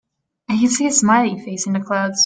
I can see a smiling face in the clouds.